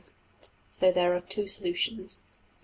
So there are two solutions.